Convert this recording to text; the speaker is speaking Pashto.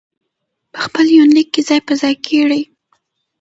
په خپل يونليک کې ځاى په ځاى کړي